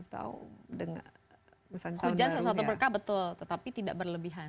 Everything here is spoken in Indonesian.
atau hujan sesuatu berkah betul tetapi tidak berlebihan